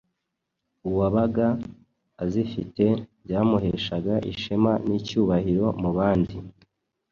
uwabaga azifite byamuheshaga ishema n'icyubahiro mu bandi.